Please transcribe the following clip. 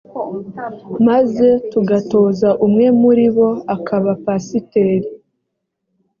maze tugatoza umwe muri bo akaba pasiteri